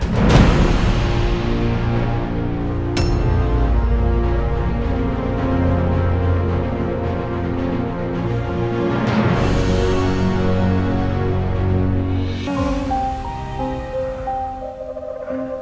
keisha adalah anaknya